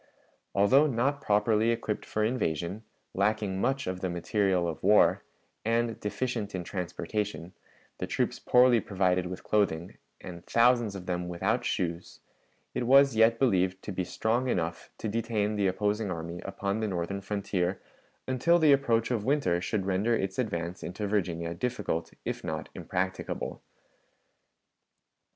Although not properly equipped for invasion, lacking much of the material of war, and deficient in transportation, the troops poorly provided with clothing, and thousands of them without shoes, it was yet believed to be strong enough to detain the opposing army upon the northern frontier until the approach of winter should render its advance into Virginia difficult, if not impracticable.